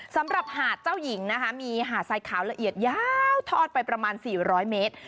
หาดเจ้าหญิงนะคะมีหาดทรายขาวละเอียดยาวทอดไปประมาณ๔๐๐เมตร